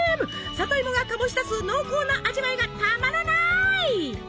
里芋が醸し出す濃厚な味わいがたまらない！